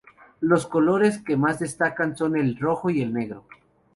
Los colores que más destacan son el rojo y el negro.